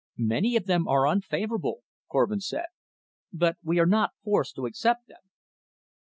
"Many of them are unfavorable," Korvin said. "But we are not forced to accept them."